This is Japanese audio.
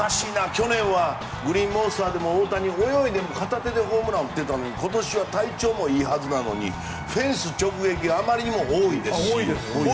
去年はグリーンモンスターでも大谷、片手でホームランを打ってたのに今年は体調もいいはずなのにフェンス直撃があまりにも多いですし。